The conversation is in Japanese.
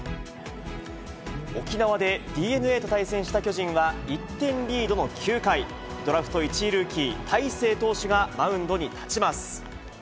沖縄でＤｅＮＡと対戦した巨人は、１点リードの９回、ドラフト１位ルーキー、大勢投手がマウンドに立ちます。